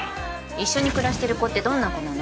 一緒に暮らしてる子ってどんな子なの？